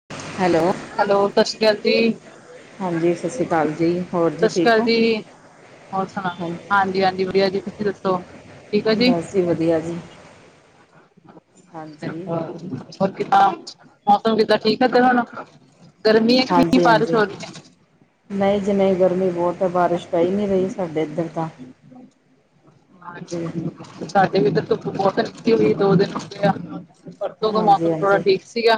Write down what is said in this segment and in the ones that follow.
[inaudible] Hello, hello Sat Sri ਅਕਾਲ ਜੀ। ਹਾਂਜੀ ਸਤਿ ਸ਼੍ਰੀ ਅਕਾਲ ਜੀ, ਹੋਰ ਜੀ ਸਤਿ ਸ਼੍ਰੀ ਠੀਕ ਅਕਾਲ ਔ? ਜੀ। ਹੋਰ ਸੁਣਾਅ? ਹਾਂਜੀ ਹਾਂਜੀ ਵਧੀਆ ਜੀ, ਤੁਸੀਂ ਦੱਸੋ? ਠੀਕ ਹੋ ਬਸ ਜੀ ਵਧੀਆ ਜੀ ਹਾਂਜੀ। ਹੋਰ ਕਿਦਾਂ ਮੌਸਮ ਕਿਦਾਂ ਠੀਕ ਐ ਅੱਗੇ ਨਾਲੋ? ਹਾਂਜੀ ਹਾਂਜੀ, ਨਈ ਜੀ ਨਈ ਗਰਮੀ ਬੋਤ ਤੇ ਬਾਰਿਸ਼ ਪਈ ਨੀ ਰਈ ਸਾਡੇ ਇੱਧਰ ਤਾਂ, ਹੂੰ। ਸਾਡੇ ਵੀ ਏਧਰ ਧੁੱਪ ਬੋਤ ਨਿਕਲੀ ਹੋਈ ਆਂ ਦੋ ਦਿਨ ਹੋ ਗਏ ਆਂ। ਪਰਸੋਂ ਦਾ ਹਾਂਜੀ ਹਾਂਜੀ ਮੌਸਮ ਥੋੜਾ ਹਾਂਜੀ ਠੀਕ ਸੀਗਾ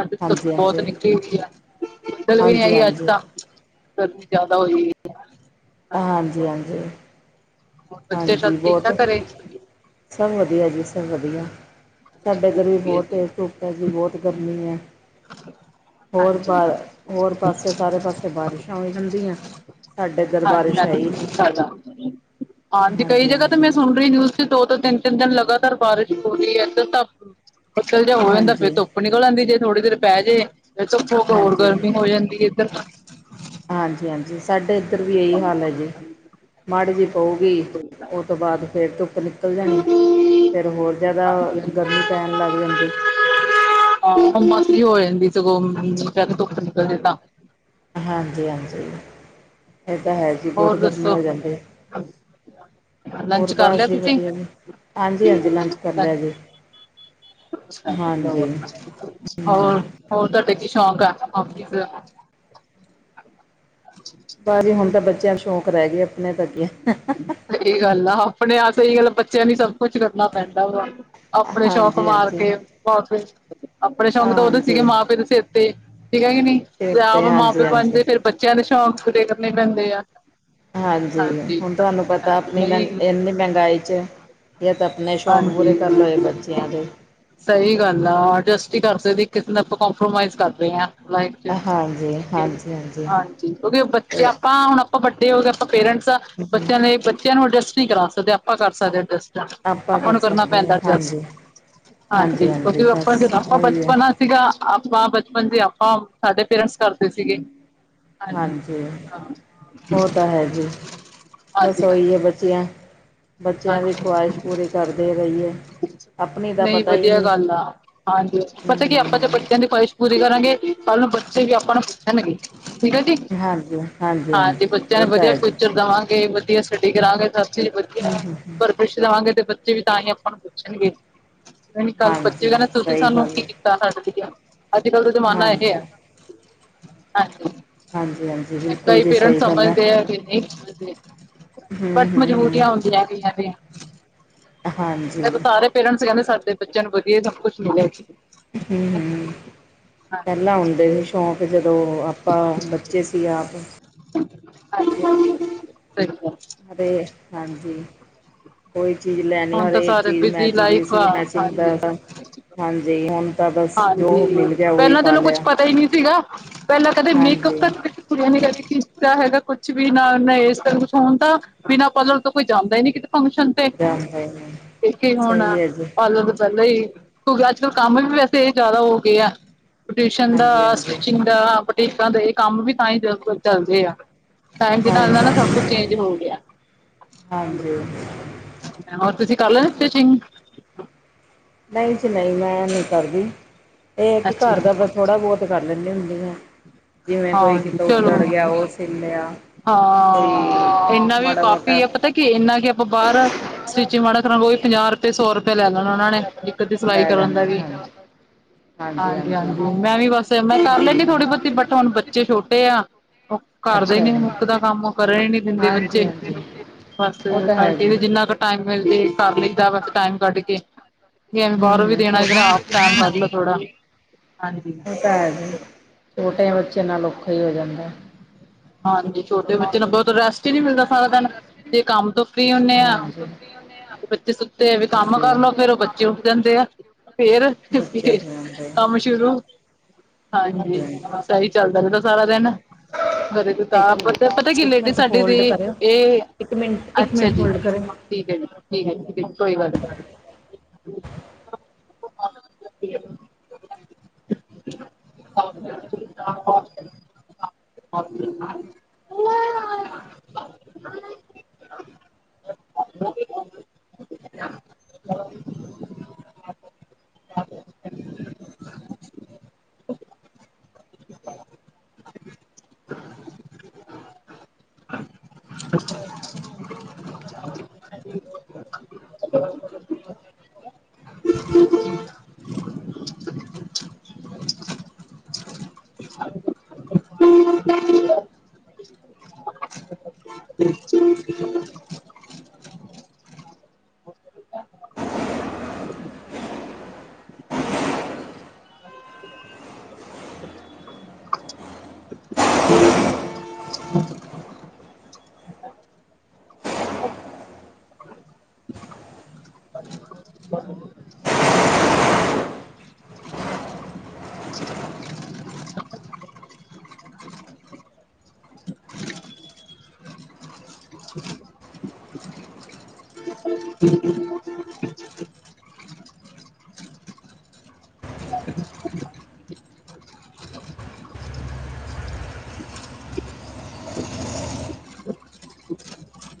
ਅੱਜ ਬਹੁਤ ਹਾਂਜੀ ਹਾਂਜੀ ਧੁੱਪ ਨਿਕਲੀ ਹੋਈ ਆ। ਬੱਦਲ ਵੀ ਨੀ ਹਾਂਜੀ ਹੈਗੇ ਅੱਜ ਤਾਂ, ਗਰਮੀ ਜ਼ਿਆਦਾ ਹੋਈ ਏ। ਹਾਂਜੀ-ਹਾਂਜੀ। ਹੋਰ ਬੱਚੇ ਸਭ ਠੀਕ ਠਾਕ ਘਰੇ? ਸਭ ਵਧੀਆ ਜੀ ਸਭ ਵਧੀਆ ਸਾਡੇ ਇੱਧਰ ਵੀ ਵਧੀਆ ਬਹੁਤ ਜੀ, ਤੇਜ਼ ਧੂੱਪ ਐ ਜੀ ਬਹੁਤ ਗਰਮੀ ਐ। ਹੋਰ ਪਾ ਹਾਂਜੀ। ਹੋਰ ਪਾਸੇ ਸਾਰੇ ਪਾਸੇ ਬਾਰਿਸ਼ਾਂ ਹੋ ਜਾਂਦੀਆਂ ਸਾਡੇ ਇੱਧਰ ਹਾਂਜੀ ਬਾਰਿਸ਼ ਹੈ ਹਾਂਜੀ ਈ ਨੀ ਐ ਤਾਜ਼ਾ ਹਾਂਜੀ ਕਈ ਜਗ੍ਹਾ ਤੇ ਹਾਂਜੀ ਮੈਂ ਸੁਣ ਰੀ ਨਿਊਜ਼ ਚ ਦੋ ਤੋਂ ਤਿੰਨ ਤਿੰਨ ਦਿਨ ਲਗਾਤਾਰ ਬਾਰਿਸ਼ ਹੋ ਰੀ ਐ ਇੱਧਰ ਤਾਂ ਬੱਦਲ ਜਿਹਾ ਹੋ ਜਾਂਦਾ ਫੇਰ ਹਾਂਜੀ ਧੁੱਪ ਨਿਕਲ ਆਂਦੀ ਜੇ ਥੋੜੀ ਦੇਰ ਪੈ ਜੇ [unintelligible] ਹੋਰ ਹਾਂਜੀ ਗਰਮੀ ਹੋ ਜਾਂਦੀ ਐ ਇੱਧਰ ਤਾ ਹਾਂਜੀ ਹਾਂਜੀ ਸਾਡੇ ਇੱਧਰ ਵੀ ਇਹੀ ਹਾਲ ਐ ਜੀ। ਮਾੜ ਜੀ ਪਊਗੀ, ਉਹ ਤੋਂ ਬਾਅਦ ਫਿਰ ਧੁੱਪ ਨਿਕਲ ਜਾਣੀ ਫੇਰ ਹੋਰ ਜਿਆਦਾ ਗਰਮੀ ਪੈਣ ਲੱਗ ਜਾਂਦੀ ਆਹੋ ਹੁਮਸ ਹੋ ਜਾਂਦੀ ਐ ਸਗੋਂ ਜਦ ਧੁੱਪ ਨਿਕਲਦੀ ਐ ਤਾਂ ਹਾਂਜੀ ਹਾਂਜੀ, ਇਹ ਤਾ ਹੈ ਜੀ ਬੋਤ ਹੋਰ ਗਰਮੀ ਦੱਸੋ ਹੋ ਜਾਂਦੀ ਐ ਲੰਚ ਹੋਰ ਕਰ ਲਿਆ ਬਸ ਜੀ ਤੁਸੀਂ ਵਧੀਆ ਜੀ ਹਾਂਜੀ ਹਾਂਜੀ ਲੰਚ ਕਰ ਲਿਆ ਜੀ ਹਾਂਜੀ ਹੂੰ ਹੋਰ ਹੋਰ ਤੁਹਾਡੇ ਕੀ ਸ਼ੌਕ ਆ [unintelligible] ਬਸ ਜੀ ਹੁਣ ਤਾਂ ਬੱਚਿਆਂ ਦੇ ਸ਼ੌਂਕ ਰਹਿ ਗੇ ਆਪਣੇ ਤਾ ਕੀ ਆ ਸਈ ਗੱਲ ਐ ਆਪਣੇ ਆਪ ਬੱਚਿਆਂ ਲਈ ਸਭ ਕੁਛ ਕਰਨਾ ਪੈਂਦਾ ਵਾ ਆਪਣੇ ਸ਼ੋਕ ਹਾਂਜੀ ਮਾਰ ਹਾਂਜੀ ਕੇ ਬਸ ਫੇਰ, ਆਪਣੇ ਸ਼ੌਂਕ ਤਾਂ ਉਦੋ ਸੀਗੇ ਹਾਂਜੀ ਮਾਂ ਪਿਓ ਦੇ ਸਿਰ ਤੇ ਠੀਕ ਐ ਕਿ ਨੀ ਸਿਰ ਜਦ ਆਪ ਤੇ ਮਾਂ ਹਾਂਜੀ ਪਿਓ ਹਾਂਜੀ ਬਣਜੇ ਫੇਰ ਬੱਚਿਆਂ ਦੇ ਸ਼ੌਂਕ ਪੂਰੇ ਕਰਨੇ ਪੈਂਦੇ ਆ ਹਾਂਜੀ ਹੁਣ ਤੁਹਾਨੂੰ ਪਤਾ ਆਪਣੀ ਨਹੀਂ ਮਹ ਇੰਨੀ ਮਹਿੰਗਾਈ ਚ ਜਾਂ ਤਾਂ ਆਪਣੇ ਸ਼ੌਂਕ ਪੂਰੇ ਕਰ ਹਾਂਜੀ ਲਓ ਜਾ ਬੱਚਿਆਂ ਦੇ ਸਹੀ ਗੱਲ ਆ ਅਡਜਸਟ ਈ ਕਰ ਸਕਦੇ ਕਿਸੇ ਨਾਲ ਆਪਾਂ ਕੰਪਰੋਮਾਈਜ਼ ਕਰ ਰਹੇ ਆ। ਲਾਈਫ ਚ, ਹਾਂਜੀ ਠੀਕ ਏ ਜੀ ਹਾਂਜੀ ਹਾਂਜੀ ਕਿਉਂਕਿ ਬੱਚੇ ਤੇ ਆਪਾਂ ਹੁਣ ਆਪਾਂ ਵੱਡੇ ਹੋ ਗਏ ਆਪਾਂ ਪੇਰੈਂਟਸ ਆ ਬੱਚਿਆਂ ਲਈ ਬੱਚਿਆਂ ਨੂੰ ਅਡਜਸਟ ਨਹੀਂ ਕਰਾ ਸਕਦੇ ਆਪਾਂ ਕਰ ਸਕਦੇ ਅਡਜਸਟ ਆਪਾਂ ਕਰ ਨੂੰ ਕਰਨਾ ਸਕਦੇ ਪੈਂਦਾ ਹਾਂ ਅਡਜਸਟ, ਹਾਂਜੀ ਹਾਂਜੀ [unintelligible] ਬਸ ਆਪਾਂ ਉਹੀ ਹੈ ਬਚਪਨ ਆ ਸੀਗਾ ਆਪਾਂ ਬਚਪਨ ਦੀ ਆਪਾਂ ਸਾਡੇ ਪੇਰੈਂਟਸ ਕਰਦੇ ਸੀਗੇ ਹਾਂਜੀ ਹਾਂ ਉਹ ਤਾਂ ਹੈ। ਹਾਂਜੀ, ਬਸ ਹਾਂਜੀ ਐਈ ਹਾਂਜੀ ਐ ਬੱਚੀਆਂ ਬੱਚਿਆਂ ਦੀ ਹਾਂਜੀ ਖਵਾਹਿਸ਼ ਪੂਰੀ ਕਰਦੇ ਰਈਏ। ਨਹੀਂ ਵਧੀਆ ਗੱਲ ਆ, ਹਾਂਜੀ ਹਮ ਪਤਾ ਕੀ ਆਪਾਂ ਜੇ ਹਮ ਬੱਚਿਆਂ ਦੀ ਖਹਿਸ਼ ਪੂਰੀ ਕਰਾਂਗੇ ਕੱਲ ਨੂੰ ਬੱਚੇ ਵੀ ਆਪ ਨੂੰ ਪੁੱਛਣਗੇ ਠੀਕ ਐ ਜੀ, ਹਾਂਜੀ ਹਾਂਜੀ ਬੱਚਿਆਂ ਇਹ ਨੂੰ ਤਾਂ ਵਧੀਆ ਹੈ ਜੀ ਫਿਊਚਰ ਦੇਵਾਂਗੇ ਵਧੀਆ ਗੱਡੀ ਕਰਾਂਗੇ ਸਭ ਚੀਜ਼ ਵਧੀਆ ਹਮ ਹਮ ਪੁੱਛ ਲਵਾਂਗੇ ਤੇ ਬੱਚੇ ਵੀ ਤਾਂ ਹੀ ਆਪਾਂ ਨੂੰ ਪੁੱਛਣਗੇ ਨਹੀਂ ਕੱਲ ਬੱਚੇ ਵੀ ਹਾਂਜੀ ਕਹਿੰਦੇ ਤੁਸੀ ਸਹੀ ਸਾਨੂੰ ਗੱਲ ਹੈ ਤਾਂ ਹਟਦੀ ਆ ਅੱਜ ਕਲ ਦਾ ਜ਼ਮਾਨਾ ਇਹ ਆ ਹਾਂਜੀ ਹਾਂਜੀ ਬਿਲਕੁਲ ਕਈ ਜੀ ਪੇਰੈਂਟ ਸਹੀ ਗੱਲ ਹੈ ਸਮਝਦੇ ਆ ਕਿ ਨਹੀਂ। ਹੂੰ ਬਟ ਹੂੰ ਹੂੰ ਮਜਬੂਰੀਆਂ ਹੁੰਦੀਆਂ ਕਈਆਂ ਦੇ ਹਾਂਜੀ ਮੈਂ ਹੂੰ ਸਾਰੇ ਪੇਰੈਂਟਸ ਕਹਿੰਦੇ ਸਾਡੇ ਬੱਚਿਆਂ ਨੂੰ ਵਧੀਆ ਹੀ ਸਭ ਕੁਝ ਮਿਲੇ ਹਮ ਹਮ। ਪਹਿਲਾਂ ਹਾਂਜੀ ਹੁੰਦੇ ਸੀ ਸ਼ੌਕ ਜਦੋਂ ਆਪਾਂ ਬੱਚੇ ਸੀ ਆਪ ਹਾਂਜੀ ਹਾਂਜੀ ਸਹੀ ਗੱਲ ਤੇ ਹਾਂਜੀ। ਕੋਈ ਚੀਜ਼ ਲੈਣੀ ਹੁਣ ਤਾਂ ਹਰੇਕ ਸਾਰੇ ਚੀਜ਼ ਬਿਜ਼ੀ ਮੈਚਿੰਗ ਦੀ ਲਾਈਫ ਆ ਸੂਟ ਮੈਚਿੰਗ ਦਾ ਹਾਂਜੀ ਹਾਂਜੀ ਹੁਣ ਤਾਂ ਬਸ ਜੋ ਹਾਂਜੀ ਮਿਲ ਗਿਆ ਉਹੀ ਪਹਿਲਾਂ ਪਾ ਚਲੋ ਕੁੱਛ ਲਿਆ ਪਤਾ ਹੀ ਨਹੀਂ ਸੀਗਾ ਪਹਿਲਾਂ ਕਦੇ ਮੇਕਅਪ ਹਾਂਜੀ ਤਾਂ ਕੁੜੀਆਂ ਨੇ ਕਦੇ ਕੀਤਾ ਹੈਗਾ ਕੁਛ ਵੀ ਨਾਨਾਂ ਇਸ ਤਰ੍ਹਾਂ ਕੁਛ ਹੋਣ ਤਾਂ ਬਿਨਾਂ ਪਾਰਲਰ ਤੋਂ ਕੋਈ ਜਾਂਦਾ ਹੀ ਨੀ ਕਿਤੇ ਫੰਕਸ਼ਨ ਜਾਂ ਇਥੇ ਹੁਣ ਪਾਰਲਰ ਪਹਿਲਾਂ ਹੀ ਕਿਉਂਕਿ ਅੱਜ ਕੱਲ ਕੰਮ ਵੀ ਵੈਸੇ ਇਹ ਜ਼ਿਆਦਾ ਹੋ ਗਏ ਆ ਟਿਊਸ਼ਨ ਹਾਂਜੀ ਦਾ ਹਾਂਜੀ ਸਟਿਚਿੰਗ ਦਾ ਬੁਟੀਕਾਂ ਦਾ ਇਹ ਕੰਮ ਵੀ ਤਾਂ ਹੀ ਚੱਲਦੇ ਆ ਟਾਇਮ ਦੇ ਨਾਲ ਨਾਲ ਨਾ ਸਭ ਕੁਛ ਹਾਂਜੀ ਚੇਂਜ ਹੋ ਗਿਆ ਹਾਂਜੀ ਹੋਰ ਤੁਸੀਂ ਕਰ ਲੈਦੇ ਸਟਿਚਿੰਗ ਨਹੀਂ ਜੀ ਨਹੀਂ ਮੈਂ ਨਹੀਂ ਕਰਦੀ ਇਹ ਕਿ ਅੱਛਾ ਘਰ ਜੀ ਦਾ ਫੇਰ ਥੋੜ੍ਹਾ ਬਹੁਤ ਕਰ ਲੈਂਦੇ ਹੁੰਦੀ ਆ ਜਿਵੇਂ ਕੋਈ ਹਾਂਜੀ ਕਿਤੋਂ ਉਦੜ ਚਲੋ ਗਿਆ ਉਹ ਸਿਲ ਲਿਆ ਕੋਈ ਹਾਂ ਇੰਨਾ ਵੀ ਮਾੜਾ ਮੋਟਾ ਕਾਫੀ ਹੈ ਪਤਾ ਕੀ ਇਨਾ ਕਿ ਆਪਾਂ ਬਾਹਰ ਸਟਿਚਿੰਗ ਮਾੜਾ ਕਰੋ ਵੀ ਪੰਜਾਹ ਰੁਪਏ ਸੌ ਰੁਪਏ ਲੈ ਲੈਣਾ ਉਹਨਾਂ ਨੇ ਇੱਕ ਅੱਧੀ ਸਿਲਾਈ ਲੈ ਕਰਨ ਲੈਣਾ ਦਾ ਵੀ ਹਾਂਜੀ ਹਾਂਜੀ ਮੈਂ ਵੀ ਬਸ ਮੈਂ ਉਹ ਕਰ ਤਾਂ ਲੈਂਦੀ ਥੋੜੀ ਹੈ ਬਹੁਤੀ ਬਟ ਹੁਣ ਬੱਚੇ ਛੋਟੇ ਆ ਉਹ ਘਰ ਦਾ ਹੀ ਅੱਛਾ ਨੀ ਮੁੱਕਦਾ ਜੀ ਕੰਮ ਕਰਨ ਹੀ ਨੀ ਦਿੰਦੇ ਹਾਂਜੀ ਬੱਚੇ ਹਾਂਜੀ ਬਸ ਉਹ ਤਾਂ ਹੈ ਟਾਈਮ ਜੀ ਕ ਜਿੰਨਾ ਟਾਈਮ ਮਿਲਦੇ ਕਰ ਲਈ ਦਾ ਬਸ ਟਾਈਮ ਕੱਢ ਕੇ ਐਵੇਂ ਹੂੰ ਬਾਹਰੋਂ ਵੀ ਹੂੰ ਦੇਣਾ ਆਪ ਟਾਈਮ ਛੋਟਾ ਕੱਢ ਲੋ ਥੋੜਾ ਹਾਂਜੀ ਉਹ ਤਾਂ ਹੈ ਜੀ ਛੋਟੇ ਬੱਚਿਆਂ ਨਾਲ ਔਖਾ ਹੀ ਹੋ ਜਾਂਦਾ ਹਾਂਜੀ ਛੋਟੇ ਬੱਚੇ ਨੂੰ ਬਹੁਤ ਰੈਸਟ ਹੀ ਨਹੀਂ ਮਿਲਦਾ ਸਾਰਾ ਦਿਨ ਤੇ ਕੰਮ ਤੋਂ ਫਰੀ ਹੁੰਦੇ ਆ ਹਾਂਜੀ ਤੇ ਬੱਚੇ ਸੁੱਤੇ ਆ ਵੀ ਕੰਮ ਹਾਂਜੀ ਕਰਲੋ ਫੇਰ ਉਹ ਬੱਚੇ ਉੱਠ ਜਾਂਦੇ ਆ ਫੇਰ ਕਿ ਬੱਚੇ ਫੇਰ ਖਿਆਉਂਦੇ ਕੰਮ ਸ਼ੁਰੂ ਹਾਂਜੀ ਬਸ ਇਹੀ ਚੱਲਦਾ ਰਹਿੰਦਾ ਸਾਰਾ ਦਿਨ ਘਰੇ ਤ ਤ ਇੱਕ ਤਾਂ ਪਤਾ ਮਿੰਟ ਕੀ ਇੱਕ ਲੇਡੀਜ਼ ਮਿੰਟ ਸਾਡੀ ਦੀ ਹੋਲਡ ਕਰਿਓ ਇਹ ਇੱਕ ਮਿੰਟ ਇੱਕ ਅੱਛਾ ਮਿੰਟ ਜੀ ਹੋਲਡ ਕਰਿਓ ਠੀਕ ਹੈ ਜੀ ਠੀਕ ਹੈ ਜੀ ਠੀਕ ਹੈ ਜੀ ਕੋਈ ਗੱਲ ਨੀ [unintelligible] [unintelligible] ਹ [unintelligible] ਹੋਰ ਠੀਕ ਹੋ ਹ [unintelligible] [unintelligible] [unintelligible] ਠ [unintelligible] ਹਮ [unintelligible] [unintelligible] [unintelligible]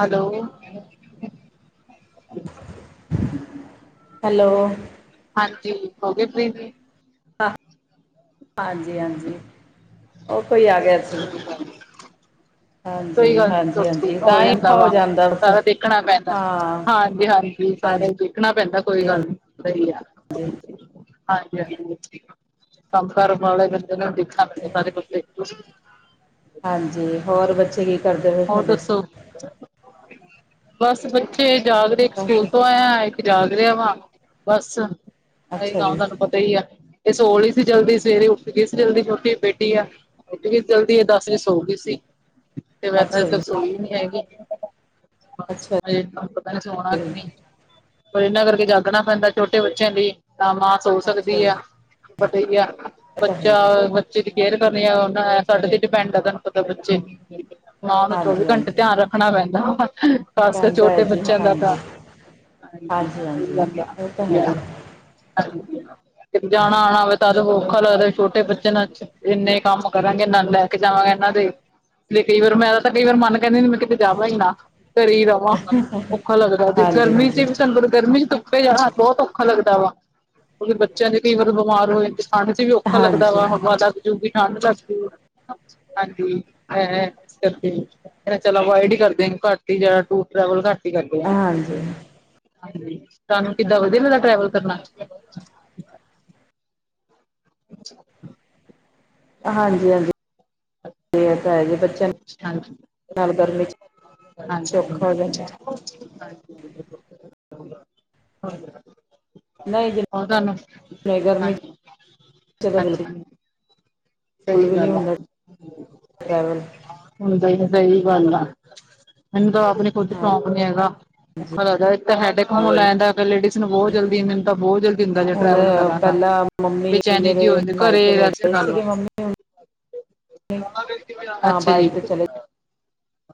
ਹੈਲੋ ਹੈਲੋ ਹਾਂਜੀ ਹੋ ਗਏ ਪ੍ਰੀਮੀ ਹਾਂ ਹਾਂਜੀ ਹਾਂਜੀ ਉਹ ਕੋਈ ਆ ਗਿਆ ਸੀ ਹਾਂਜੀ ਕੋਈ ਗੱਲ ਹਾਂਜੀ ਨੀ ਹਾਂਜੀ ਹੋ ਤਾਂ ਹੀ ਜਾਂਦਾ ਔਖਾ ਵਾ ਹੋ ਜਾਂਦਾ ਬਸ ਸਾਰਾ ਦੇਖਣਾ ਪੈਂਦਾ ਹਾਂ ਹਾਂਜੀ ਹਾਂਜੀ ਸਾਰਾ ਈ ਦੇਖਣਾ ਪੈਂਦਾ ਕੋਈ ਗੱਲ ਨੀ ਸਹੀ ਆ ਹਾਂਜੀ ਹਾਂਜੀ ਹਾਂਜੀ ਕਮ ਕਾਰ ਬਾਹਲਾ ਜਨਾ ਦੇਖਨਾ ਪੈਂਦਾ ਸਾਰੇ ਕੁਛ ਹਾਂਜੀ ਹੋਰ ਬੱਚੇ ਕੀ ਕਰਦੇ ਪਏ ਹੋਰ ਤੁਹਾਡੇ ਦੱਸੋ ਬਸ ਬੱਚੇ ਜਾਗਦੇ ਇੱਕ ਬਸ ਸਕੂਲ ਤੋਂ ਆਏਆ ਜਾਗ ਰਿਹਾ ਵਾ ਬਸ ਇਹੀ ਅੱਛਾ ਕੰਮ ਜੀ ਤੁਹਾਨੂੰ ਪਤਾ ਈ ਏ ਇਹ ਸੋਲੀ ਸੀ ਜਲਦੀ ਸਵੇਰੇ ਉੱਠ ਕੇ ਜਲਦੀ ਛੋਟੀ ਬੇਟੀ ਆ ਅੱਜ ਵੀ ਜਲਦੀ ਇਹ ਦਸ ਵਜੇ ਸੌ ਗਈ ਸੀ ਤੇ ਮੈਂ ਅੱਛਾ ਤਾਂ ਜੀ ਸੁਣੀ ਨੀ ਹੈਗੀ ਅੱਛਾ ਤੁਵਾਂਨੂੰ ਪਤਾ ਹੈ ਸੋਨਾ ਹੈ ਕਿ ਜੀ ਨਹੀਂ ਪਰ ਇਹਨਾਂ ਕਰਕੇ ਜਾਗਣਾ ਪੈਂਦਾ ਛੋਟੇ ਬੱਚਿਆਂ ਲਈ ਤਾਂ ਮਾ ਸੋ ਅੱਛਾ ਸਕਦੀ ਜੀ ਆ ਪਤਾ ਈ ਆ ਇਹ ਤਾਂ ਹੈ ਬੱਚਾ ਜੀ ਬੱਚੇ ਦੀ ਕੇਅਰ ਕਰਨੀ ਆ ਉਹ ਸਾਡੇ ਤੇ ਡਿਪੈਂਡ ਹੈ ਤੁਹਾਨੂੰ ਪਤਾ ਬੱਚੇ ਮਾਂ ਨੂੰ ਚੌਵੀ ਹਾਂਜੀ ਘੰਟੇ ਹਾਂਜੀ ਧਿਆਨ ਰੱਖ ਰਖਣਾ ਪੈਂਦਾ ਪਾਸੇ ਕਹਿੰਦਾ ਹੈ ਛੋਟੇ ਜੀ ਬੱਚਿਆਂ ਦਾ ਤਾ ਹਾਂਜੀ ਹਾਂਜੀ ਹਾਂਜੀ ਜ ਉਹ ਤਾਂ ਹੈ ਜੀ ਜਾਣਾ ਆਣਾ ਹੋਵੇ ਤਾਂ ਔਖਾ ਲੱਗਦਾ ਛੋਟੇ ਬੱਚੇ ਨਾਲ ਇੰਨੇ ਕੰਮ ਕਰਾਂਗੇ ਨਾਲ ਲੈ ਕੇ ਜਾਵਾਂਗੇ ਇਹਨਾਂ ਦੇ ਤੇ ਕਈ ਵਾਰ ਮੈਂ ਤਾਂ ਕਈ ਵਾਰ ਮਨ ਕਹਿੰਦੀ ਮੈਂ ਕਿਤੇ ਜਾਵਾਂ ਹੀ ਨਾ ਘਰੇ ਹੀ ਰਵਾ ਔਖਾ ਲੱਗਦਾ ਤੇ ਹਾਂਜੀ ਗਰਮੀ ਚ ਹਾਂਜੀ ਵੀ ਸਾਨੂ ਗਰਮੀ ਚ ਜਾਣਾ ਬਹੁਤ ਔਖਾ ਲੱਗਦਾ ਵਾ ਕਿਉਂਕਿ ਬੱਚਿਆਂ ਨੇ ਕਈ ਵਾਰੀ ਬਿਮਾਰ ਹੋਏ ਠੰਡ ਚ ਵੀ ਔਖਾ ਲੱਗਦਾ ਵਾ ਹਾਂਜੀ ਹਵਾ ਲੱਗ ਜੁਗੀ ਠੰਢ ਲੱਗਜੂ ਹਾਂਜੀ ਇਸ ਕਰਕੇ ਕਹਿੰਦੇ ਚਲੋ ਅਵੋਏਡ ਹੀ ਕਰਦੇ ਘੱਟ ਹੀ ਜੇਹੜਾ ਤੂੰ ਟਰੈਵਲ ਘੱਟ ਈ ਕਰਦੇ ਆ ਹਾਂਜੀ ਹਾਂਜੀ ਤੁਹਾਨੁ ਕਿੱਦਾਂ ਵਧੀਆ ਲੱਗਦਾ ਟਰੈਵਲ ਕਰਨਾ [unintelligible] ਹਾਂਜੀ ਹਾਂਜੀ ਇਹ ਤਾਂ ਹੈ ਹੀ ਜੇ ਬੱਚੇਆ ਹਾਂਜੀ। ਨਾਲ ਗਰਮੀ ਚ ਹਾਂਜੀ ਔਖਾ ਹੋ ਹਾਂਜੀ ਜਾਂਦਾ [unintelligible] ਤੁਹਾਨੂੰ ਹਾਂਜੀ ਅੱਛਾ [unintelligible] ਜੀ ਸਹੀ ਬਿਲਕੁੁਲ ਵੀ ਨਹੀਂ ਗੱਲ ਆ ਹੁੰਦਾ ਟ੍ਰੈਵਲ ਹੂਦਾਂ ਹੀ ਨਹੀ ਸਹੀ ਗੱਲ ਏ ਮੈਨੂੰ ਤਾਂ ਆਪਣੀ ਖੁਦ ਹਾਂ ਸੌਂਕ ਨੀ ਹੈਗਾ ਔਖਾ ਲੱਗਦਾ ਇਕ ਤੇ ਹੈਡਏਕ ਹੋਨ ਲੈਨ ਦਾ ਫਿਰ ਲੇਡੀਜ਼ ਨੂੰ ਬਹੁਤ ਜਲਦੀ ਮੈਨੂੰ ਤਾਂ ਬਹੁਤ ਜਲਦੀ ਹੁੰਦਾ ਜੇ ਹੁਣ ਟਰੈਵਲ ਕਰਾਂ ਤਾਂ ਪਹਿਲਾਂ ਮੰਮੀ ਬੇਚੈਨੀ ਮੇਰੇ ਜੀ ਹੋਈ ਦੀ, ਘਰੇ ਮਾਇਕੇ ਰੈਸਟ ਨੇੜੇ ਕਰਲੋ। ਸੀਗੇ ਮੰਮੀ ਹੁਣ ਤਾਂ ਅੱਛਾ ਜੀ। ਬਾਈਕ ਤੇ ਚਲੇ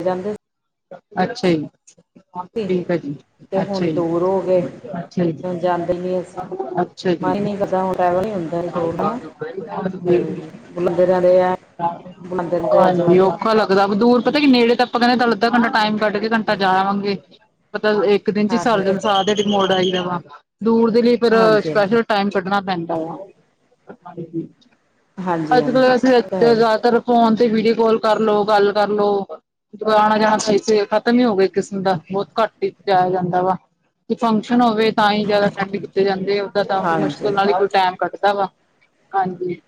ਜਾਂਦੇ ਅੱਛਾ ਜੀ, ਸੀ ਠੀਕ ਆ ਜੀ, ਤੇ ਅੱਛਾ ਹੁਣ ਜੀ। ਅੱਛਾ ਜੀ, ਦੂਰ ਹੋ ਗਏ ਤੇ ਹੁਣ ਜਾਂਦੇ ਨਹੀਂ ਅਸੀਂ ਅੱਛਾ ਜੀ। ਮਨ ਹਾਂਜੀ, ਨਹੀਂ ਕਰਦਾ ਹੁਣ ਟਰੈਵਲ ਨਹੀਂ ਹੁੰਦਾ ਦੂਰ ਹਨਾ ਬੁਲਾਉਂਦੇ ਰਹਿੰਦੇ ਆ ਬੁਲਾਉਂਦੇ ਰਹਿੰਦੇ ਆ ਆਜੋ ਆਜੋ ਉਹ ਔਖਾ ਲੱਗਦਾ, ਦੂਰ ਪਤਾ ਕੀ ਨੇੜੇ ਤਾਂ ਆਪਾਂ ਕਹਿੰਨੇ ਆ ਚਲ ਅੱਧਾ ਘੰਟਾ ਟਾਈਮ ਕੱਢਕੇ, ਘੰਟਾ ਜਾਏ ਆਵਾਂਗੇ, ਪਤਾ ਇੱਕ ਦਿਨ'ਚ ਹਾਂਜੀ ਸਾਲਜ, ਸਾਰ ਦਿਹਾੜੀ ਮੁੜ ਆਈਦਾ ਵਾ, ਦੂਰ ਦੇ ਲਈ ਫਿਰ ਹਾਂਜੀ ਸਪੈਸ਼ਲ ਟਾਇਮ ਕੱਢਣਾ ਪੈਂਦਾ ਵਾ, ਹਾਂਜੀ ਹਾਂਜੀ ਅੱਜ-ਕਲ ਹਾਂਜੀ ਵੈਸੇ ਇਹ ਤਾਂ ਹੈ ਜੀ। ਜ਼ਿਆਦਾਤਰ ਫੋਨ ਤੇ ਈ ਵੀਡੀਓ ਕਾਲ ਕਰਲੋ, ਗੱਲ ਕਰਲੋ, ਆਣਾ-ਜਾਣਾ ਸਹੀ ਸੀ, ਖ਼ਤਮ ਹੀ ਹੋ ਗਏ ਕਿਸਮ ਦਾ, ਬਹੁਤ ਘੱਟ ਹੀ ਜਇਆ ਜਾਂਦਾ ਵਾ, ਕੋਈ ਫੰਕਸ਼ਨ ਹੋਵੇ ਤਾਂ ਹੀ ਜਿਆਦਾ ਸੈਂਡ ਕੀਤੇ ਜਾਂਦੇ, ਓਦਾਂ ਤਾਂ ਮੁਸ਼ਕਿਲ ਹਾਂਜੀ ਨਾਲ ਹੀ ਕੋਈ ਟੈਮ ਕੱਢਦਾ ਵਾ, ਹਾਂਜੀ।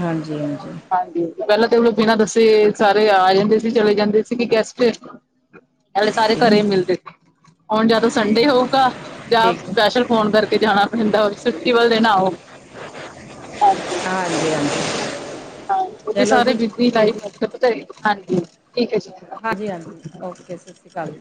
ਹਾਂਜੀ-ਹਾਂਜੀ। ਹਾਂਜੀ ਪਹਿਲਾਂ ਤੇ ਉਹਨੂੰ ਬਿਨਾਂ ਦੱਸੇ ਸਾਰੇ ਆ ਜਾਂਦੇ ਸੀ, ਚਲੇ ਜਾਂਦੇ ਸੀਗੇ ਗੈਸਟ। ਪਹਿਲੇ ਸਾਰੇ ਹਾਂਜੀ ਘਰੇ ਮਿਲਦੇ, ਹੁਣ ਜਦ ਸੰਡੇ ਹੋਊਗਾ ਜਾਂ ਠੀਕ ਸਪੈਸ਼ਲ ਫੋਨ ਕਰਕੇ ਜਾਣਾ ਪੈਂਦਾ, ਛੁੱਟੀ ਵਾਲੇ ਦਿਨ ਆਓ। ਹਾਂਜੀ-ਹਾਂਜੀ। ਹਾਂ, ਉਹ ਵੀ ਸਾਰੇ ਬਿਜ਼ੀ ਲਾਈਫ਼ ਅੱਜ-ਕਲ ਪਤਾ ਏ, ਹਾਂਜੀ, ਠੀਕ ਹੈ ਜੀ। ਹਾਜੀ-ਹਾਜੀ, ਓਕੇ, ਸਤਿ ਸ਼੍ਰੀ ਅਕਾਲ।